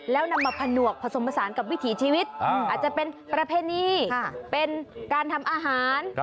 แล้วนำมาผนวกผสมผสานกับวิถีชีวิตอาจจะเป็นประเพณีเป็นการทำอาหาร